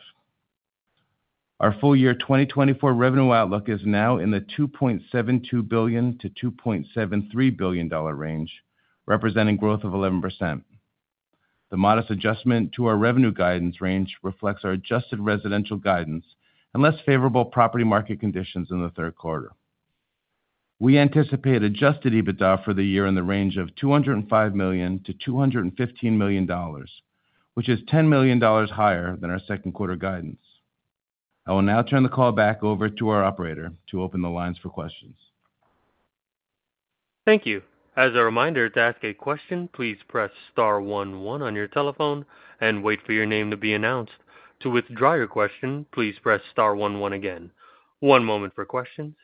Our full year 2024 revenue outlook is now in the $2.72 billion-$2.73 billion range, representing growth of 11%. The modest adjustment to our revenue guidance range reflects our adjusted residential guidance and less favorable property market conditions in the third quarter. We anticipate adjusted EBITDA for the year in the range of $205 million-$215 million, which is $10 million higher than our second quarter guidance. I will now turn the call back over to our operator to open the lines for questions. Thank you. As a reminder, to ask a question, please press star one one on your telephone and wait for your name to be announced. To withdraw your question, please press star one one again. One moment for questions.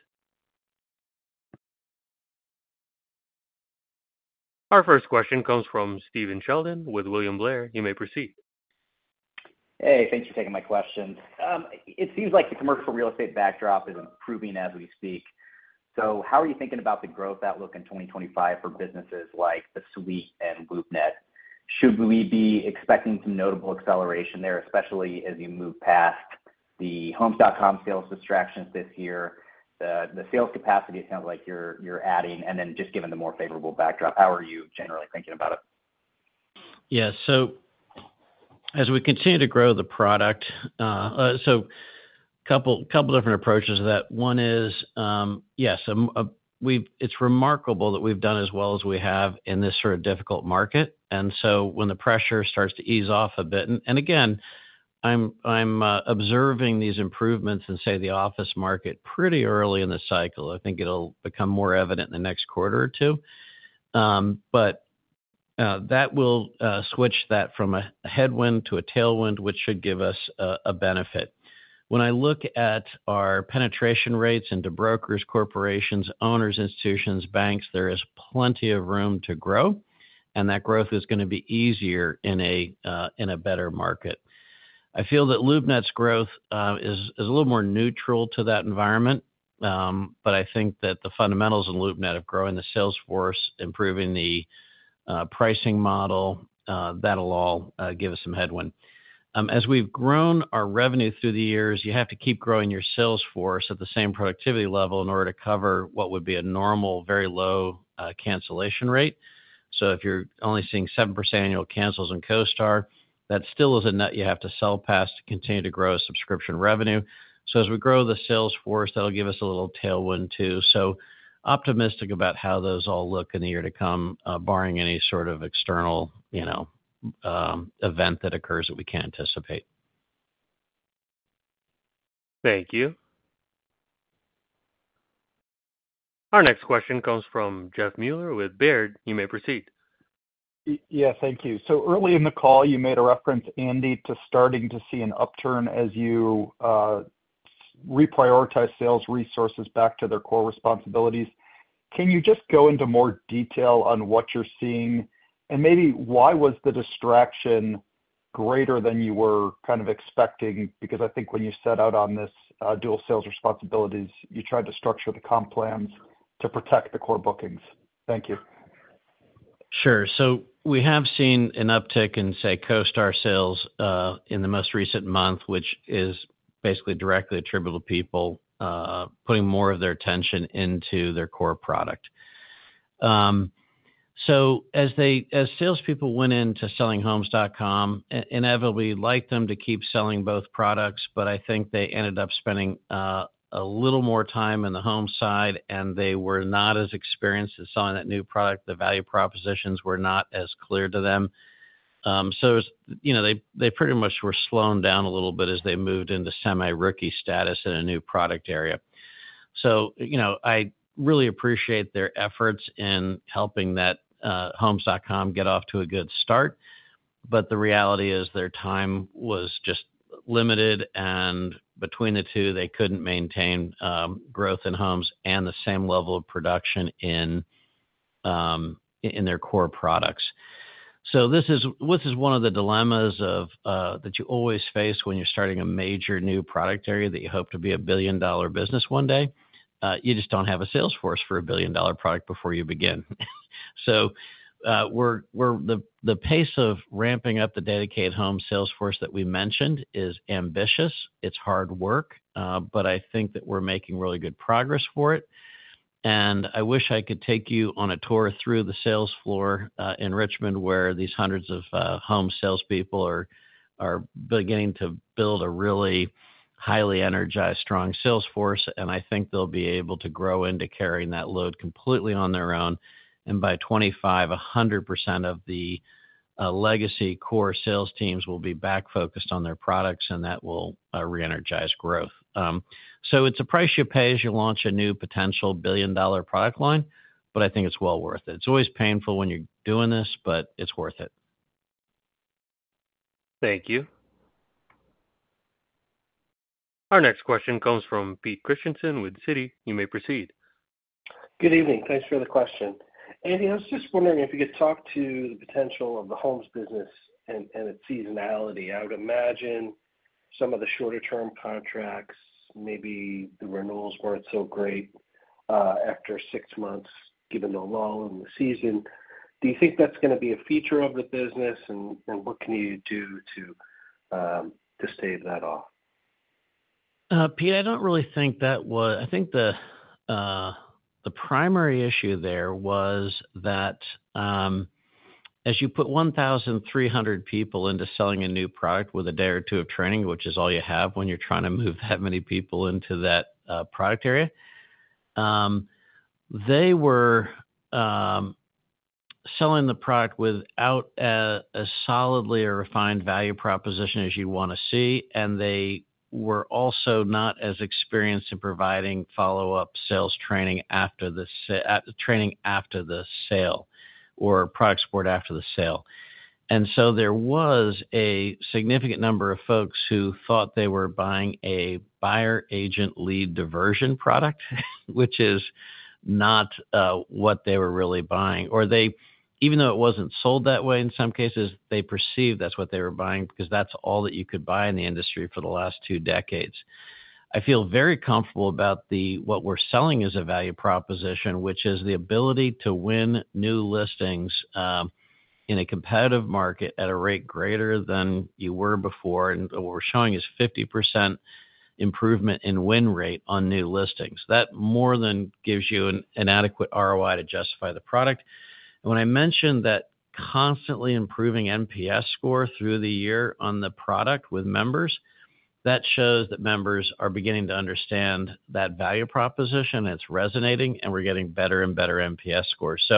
Our first question comes from Steven Sheldon with William Blair. You may proceed. Hey, thanks for taking my question. It seems like the commercial real estate backdrop is improving as we speak. So how are you thinking about the growth outlook in 2025 for businesses like the Suite and LoopNet? Should we be expecting some notable acceleration there, especially as you move past the Homes.com sales distractions this year, the sales capacity it sounds like you're adding, and then just given the more favorable backdrop, how are you generally thinking about it? Yeah. So as we continue to grow the product, so couple different approaches to that. One is, it's remarkable that we've done as well as we have in this sort of difficult market. And so when the pressure starts to ease off a bit, and again, I'm observing these improvements in, say, the office market pretty early in the cycle. I think it'll become more evident in the next quarter or two. But that will switch that from a headwind to a tailwind, which should give us a benefit. When I look at our penetration rates into brokers, corporations, owners, institutions, banks, there is plenty of room to grow, and that growth is gonna be easier in a better market. I feel that LoopNet's growth is a little more neutral to that environment, but I think that the fundamentals in LoopNet of growing the sales force, improving the pricing model, that'll all give us some headwind. As we've grown our revenue through the years, you have to keep growing your sales force at the same productivity level in order to cover what would be a normal, very low cancellation rate, so if you're only seeing 7% annual cancels in CoStar, that still is a net you have to sell past to continue to grow a subscription revenue, so as we grow the sales force, that'll give us a little tailwind, too, so optimistic about how those all look in the year to come, barring any sort of external, you know, event that occurs that we can't anticipate. Thank you. Our next question comes from Jeff Meuler with Baird. You may proceed. Yeah. Thank you. So early in the call, you made a reference, Andy, to starting to see an upturn as you reprioritize sales resources back to their core responsibilities. Can you just go into more detail on what you're seeing? And maybe why was the distraction greater than you were kind of expecting? Because I think when you set out on this, dual sales responsibilities, you tried to structure the comp plans to protect the core bookings. Thank you. Sure. So we have seen an uptick in, say, CoStar sales in the most recent month, which is basically directly attributable to people putting more of their attention into their core product, so as salespeople went into selling Homes.com, inevitably, we'd like them to keep selling both products, but I think they ended up spending a little more time in the homes side, and they were not as experienced at selling that new product. The value propositions were not as clear to them, so, you know, they pretty much were slowed down a little bit as they moved into semi-rookie status in a new product area. So, you know, I really appreciate their efforts in helping that, Homes.com get off to a good start, but the reality is, their time was just limited, and between the two, they couldn't maintain growth in Homes and the same level of production in their core products. So this is, this is one of the dilemmas of that you always face when you're starting a major new product area that you hope to be a billion-dollar business one day. You just don't have a sales force for a billion-dollar product before you begin. So, the pace of ramping up the dedicated homes sales force that we mentioned is ambitious. It's hard work, but I think that we're making really good progress for it. I wish I could take you on a tour through the sales floor in Richmond, where these hundreds of home salespeople are beginning to build a really highly energized, strong sales force. I think they'll be able to grow into carrying that load completely on their own. By 2025, 100% of the legacy core sales teams will be back focused on their products, and that will reenergize growth, so it's a price you pay as you launch a new potential billion-dollar product line, but I think it's well worth it. It's always painful when you're doing this, but it's worth it. Thank you. Our next question comes from Pete Christiansen with Citi. You may proceed. Good evening. Thanks for the question. Andy, I was just wondering if you could talk to the potential of the Homes business and its seasonality. I would imagine some of the shorter-term contracts, maybe the renewals weren't so great after six months, given the lull in the season. Do you think that's gonna be a feature of the business, and what can you do to stave that off? Pete, I don't really think that was. I think the primary issue there was that, as you put 1,300 people into selling a new product with a day or two of training, which is all you have when you're trying to move that many people into that product area, they were selling the product without a solid or refined value proposition as you wanna see, and they were also not as experienced in providing follow-up sales training after the sale, or product support after the sale. And so there was a significant number of folks who thought they were buying a buyer agent lead diversion product, which is not what they were really buying. Or they even though it wasn't sold that way, in some cases, they perceived that's what they were buying because that's all that you could buy in the industry for the last two decades. I feel very comfortable about the what we're selling as a value proposition, which is the ability to win new listings in a competitive market at a rate greater than you were before, and what we're showing is 50% improvement in win rate on new listings. That more than gives you an adequate ROI to justify the product. And when I mentioned that constantly improving NPS score through the year on the product with members, that shows that members are beginning to understand that value proposition, and it's resonating, and we're getting better and better NPS scores.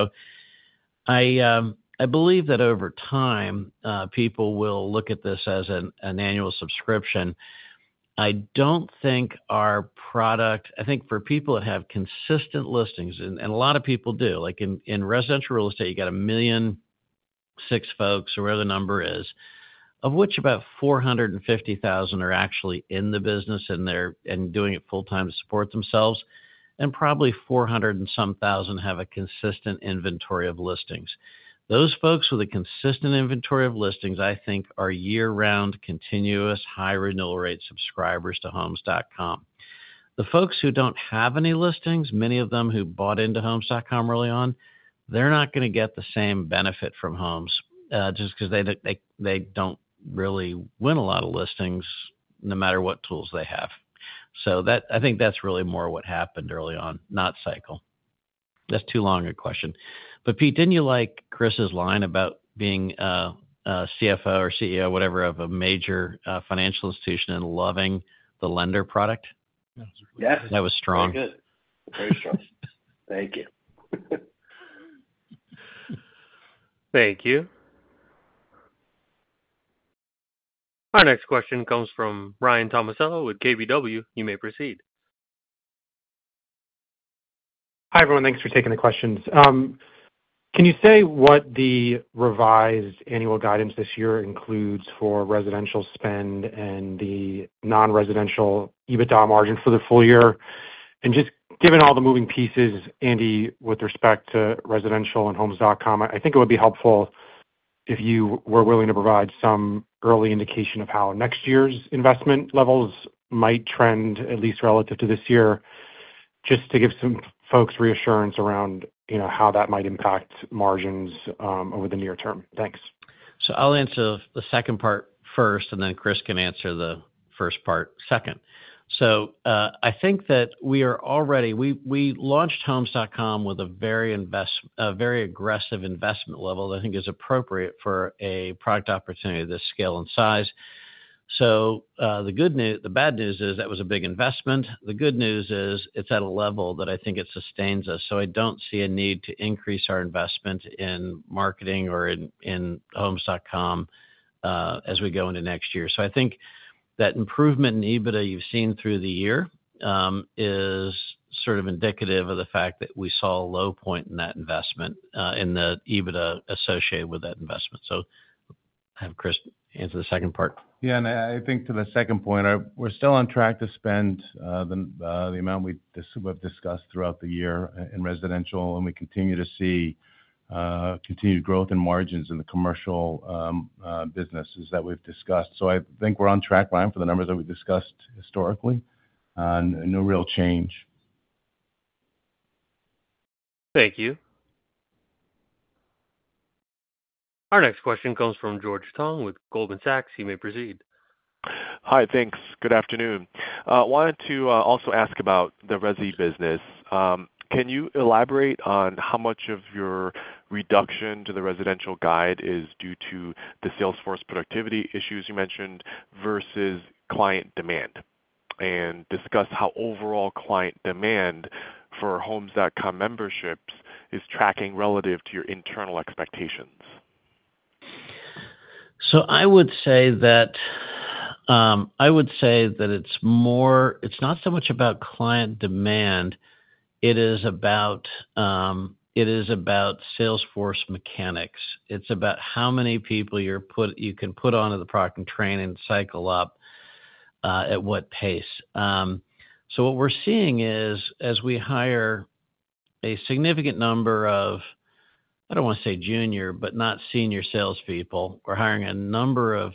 I believe that over time, people will look at this as an annual subscription. I don't think our product. I think for people that have consistent listings, and a lot of people do. Like, in residential real estate, you got a million six folks, or whatever the number is, of which about 450,000 are actually in the business, and they're and doing it full-time to support themselves, and probably four hundred and some thousand have a consistent inventory of listings. Those folks with a consistent inventory of listings, I think, are year-round, continuous, high renewal rate subscribers to Homes.com. The folks who don't have any listings, many of them who bought into Homes.com early on, they're not gonna get the same benefit from Homes, just because they don't really win a lot of listings no matter what tools they have. So that's really more what happened early on, not cycle. That's too long a question. But, Pete, didn't you like Chris's line about being a CFO or CEO, whatever, of a major financial institution and loving the lender product? Yes. That was strong. Very good. Very strong. Thank you. Thank you. Our next question comes from Ryan Tomasello with KBW. You may proceed. Hi, everyone. Thanks for taking the questions. Can you say what the revised annual guidance this year includes for residential spend and the non-residential EBITDA margin for the full year? And just given all the moving pieces, Andy, with respect to residential and Homes.com, I think it would be helpful if you were willing to provide some early indication of how next year's investment levels might trend, at least relative to this year, just to give some folks reassurance around, you know, how that might impact margins, over the near term. Thanks. I'll answer the second part first, and then Chris can answer the first part second. I think that we are already. We launched Homes.com with a very aggressive investment level that I think is appropriate for a product opportunity of this scale and size. The bad news is, that was a big investment. The good news is, it's at a level that I think it sustains us, so I don't see a need to increase our investment in marketing or in Homes.com, as we go into next year. I think that improvement in EBITDA you've seen through the year is sort of indicative of the fact that we saw a low point in that investment, in the EBITDA associated with that investment. So I-... I'll have Chris answer the second part. Yeah, and I think to the second point, we're still on track to spend the amount we've discussed throughout the year in residential, and we continue to see continued growth in margins in the commercial businesses that we've discussed. So I think we're on track, Ryan, for the numbers that we've discussed historically, and no real change. Thank you. Our next question comes from George Tong with Goldman Sachs. He may proceed. Hi, thanks. Good afternoon. Wanted to also ask about the resi business. Can you elaborate on how much of your reduction to the residential guide is due to the sales force productivity issues you mentioned versus client demand? And discuss how overall client demand for Homes.com memberships is tracking relative to your internal expectations. So I would say that it's more, it's not so much about client demand. It is about sales force mechanics. It's about how many people you can put onto the product and train and cycle up at what pace. So what we're seeing is, as we hire a significant number of, I don't want to say junior, but not senior salespeople. We're hiring a number of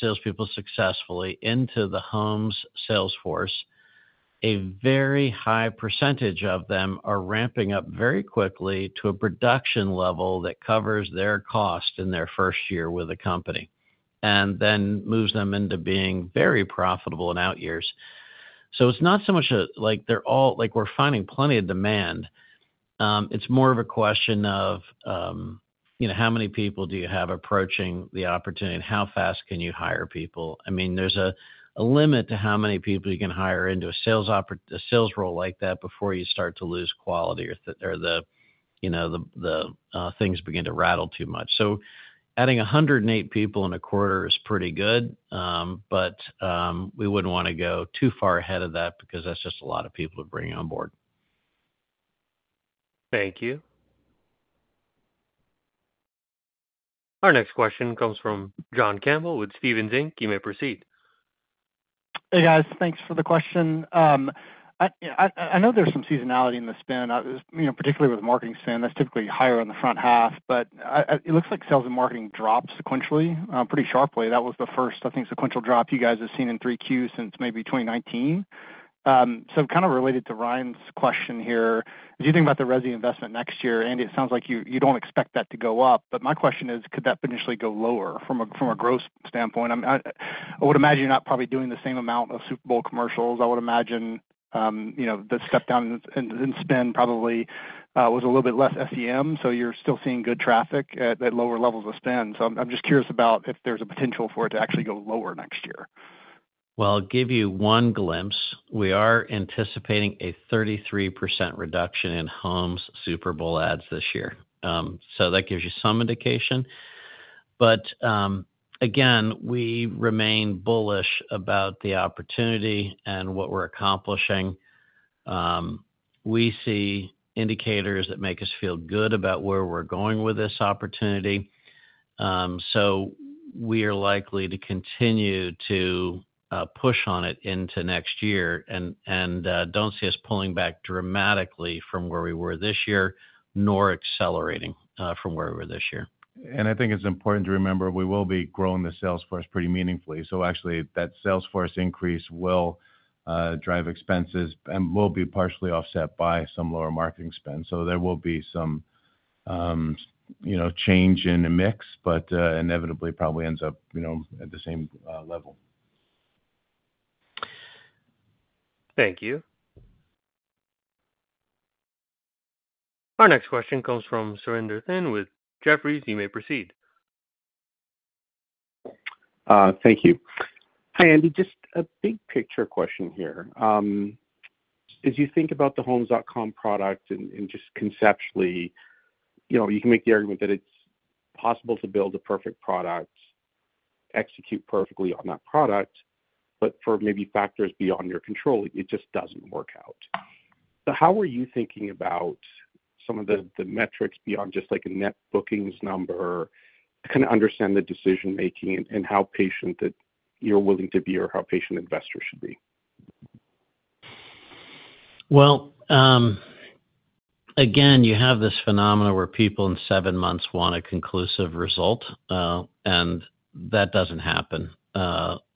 salespeople successfully into the Homes sales force. A very high percentage of them are ramping up very quickly to a production level that covers their cost in their first year with the company, and then moves them into being very profitable in outyears. So it's not so much. Like, we're finding plenty of demand. It's more of a question of, you know, how many people do you have approaching the opportunity and how fast can you hire people? I mean, there's a limit to how many people you can hire into a sales role like that before you start to lose quality or things begin to rattle too much. So adding 108 people in a quarter is pretty good, but we wouldn't want to go too far ahead of that because that's just a lot of people to bring on board. Thank you. Our next question comes from John Campbell with Stephens Inc. You may proceed. Hey, guys. Thanks for the question. I know there's some seasonality in the spend, you know, particularly with marketing spend, that's typically higher in the front half, but it looks like sales and marketing dropped sequentially pretty sharply. That was the first, I think, sequential drop you guys have seen in 3Qs since maybe 2019. So kind of related to Ryan's question here. As you think about the resi investment next year, Andy, it sounds like you don't expect that to go up, but my question is: could that potentially go lower from a growth standpoint? I would imagine you're not probably doing the same amount of Super Bowl commercials. I would imagine, you know, the step down in spend probably was a little bit less SEM, so you're still seeing good traffic at lower levels of spend. So I'm just curious about if there's a potential for it to actually go lower next year. I'll give you one glimpse. We are anticipating a 33% reduction in Homes Super Bowl ads this year. So that gives you some indication. But, again, we remain bullish about the opportunity and what we're accomplishing. We see indicators that make us feel good about where we're going with this opportunity. So we are likely to continue to push on it into next year and don't see us pulling back dramatically from where we were this year, nor accelerating from where we were this year. And I think it's important to remember, we will be growing the sales force pretty meaningfully. So actually, that sales force increase will drive expenses and will be partially offset by some lower marketing spend. So there will be some, you know, change in the mix, but inevitably, probably ends up, you know, at the same level. Thank you. Our next question comes from Surinder Thind with Jefferies. You may proceed. Thank you. Hi, Andy. Just a big picture question here. As you think about the Homes.com product and just conceptually, you know, you can make the argument that it's possible to build a perfect product, execute perfectly on that product, but for maybe factors beyond your control, it just doesn't work out. So how are you thinking about some of the metrics beyond just, like, a net bookings number to kind of understand the decision-making and how patient that you're willing to be or how patient investors should be? Again, you have this phenomenon where people in seven months want a conclusive result, and that doesn't happen.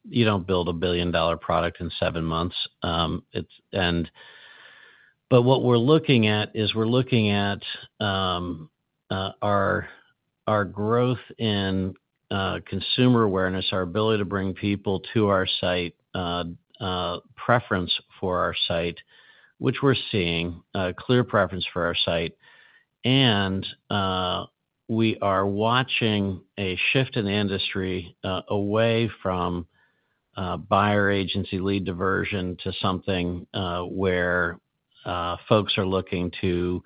You don't build a billion-dollar product in seven months. But what we're looking at is our growth in consumer awareness, our ability to bring people to our site, preference for our site, which we're seeing, a clear preference for our site. We are watching a shift in the industry away from buyer agency lead diversion to something where folks are looking to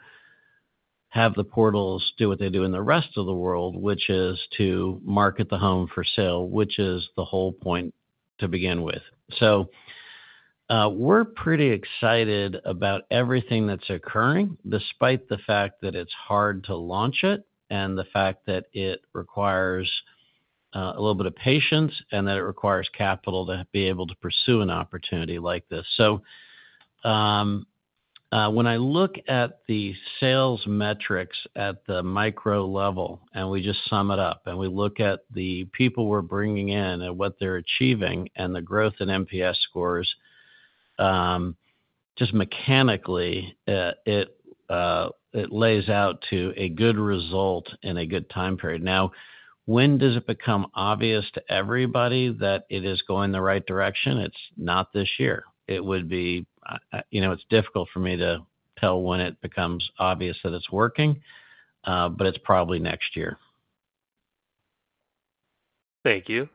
have the portals do what they do in the rest of the world, which is to market the home for sale, which is the whole point to begin with. So... We're pretty excited about everything that's occurring, despite the fact that it's hard to launch it, and the fact that it requires a little bit of patience, and that it requires capital to be able to pursue an opportunity like this. So, when I look at the sales metrics at the micro level, and we just sum it up, and we look at the people we're bringing in and what they're achieving, and the growth in NPS scores, just mechanically, it lays out to a good result in a good time period. Now, when does it become obvious to everybody that it is going the right direction? It's not this year. It would be, you know, it's difficult for me to tell when it becomes obvious that it's working, but it's probably next year. Thank you.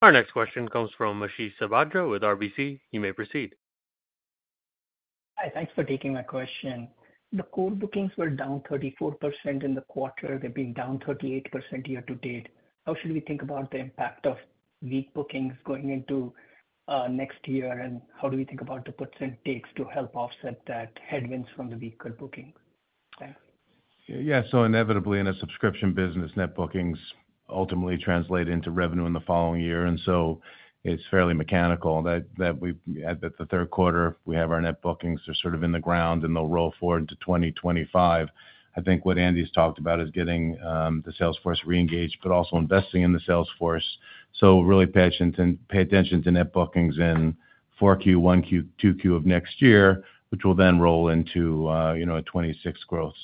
Our next question comes from Ashish Sabadra with RBC. You may proceed. Hi, thanks for taking my question. The core bookings were down 34% in the quarter. They've been down 38% year to date. How should we think about the impact of weak bookings going into next year? And how do we think about the puts and takes to help offset that headwinds from the weaker bookings? Thanks. Yeah, so inevitably, in a subscription business, net bookings ultimately translate into revenue in the following year, and so it's fairly mechanical. At the third quarter, we have our net bookings are sort of in the ground, and they'll roll forward into 2025. I think what Andy's talked about is getting the sales force reengaged, but also investing in the sales force. So really pay attention, pay attention to net bookings in 4Q, 1Q, 2Q of next year, which will then roll into you know a 2026 growth.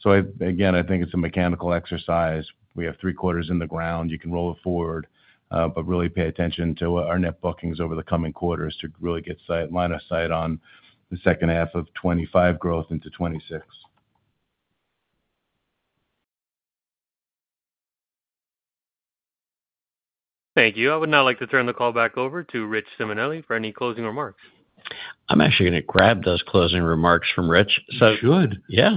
So again, I think it's a mechanical exercise. We have three quarters in the ground. You can roll it forward but really pay attention to our net bookings over the coming quarters to really get line of sight on the second half of 2025 growth into 2026. Thank you. I would now like to turn the call back over to Rich Simonelli for any closing remarks. I'm actually gonna grab those closing remarks from Rich, so. You should. Yeah.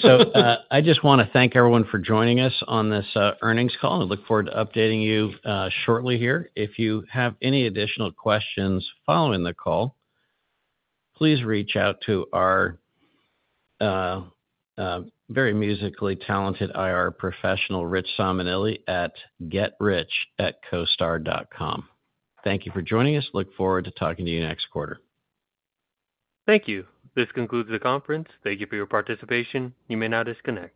So, I just want to thank everyone for joining us on this earnings call. I look forward to updating you shortly here. If you have any additional questions following the call, please reach out to our very musically talented IR professional, Rich Simonelli, at getrich@costar.com. Thank you for joining us. Look forward to talking to you next quarter. Thank you. This concludes the conference. Thank you for your participation. You may now disconnect.